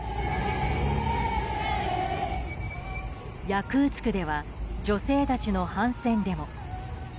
ヤクーツクでは女性たちの反戦デモ。